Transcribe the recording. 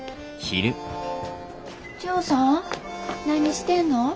何してんの？